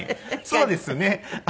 そうですね。